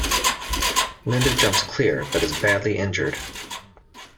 Linda jumps clear, but is badly injured.